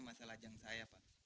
masalah jangkai pak